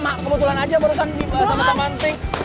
mak kebetulan aja barusan di teman teman ting